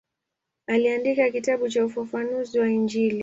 Aliandika kitabu cha ufafanuzi wa Injili.